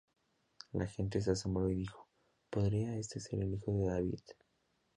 La gente se asombró y dijo: "¿Podría este ser el Hijo de David?